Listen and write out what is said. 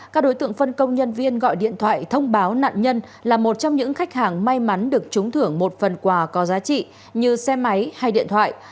các đối tượng phân công nhân viên gọi điện thoại thông báo nạn nhân là một trong những khách hàng may mắn được trúng thưởng một phần quà có giá trị như xe máy hay điện thoại